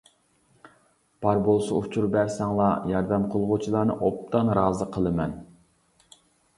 بار بولسا ئۇچۇر بەرسەڭلار، ياردەم قىلغۇچىلارنى ئوبدان رازى قىلىمەن.